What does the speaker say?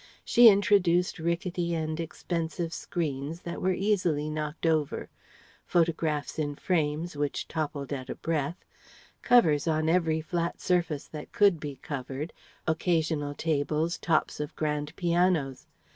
She introduced rickety and expensive screens that were easily knocked over; photographs in frames which toppled at a breath; covers on every flat surface that could be covered occasional tables, tops of grand pianos.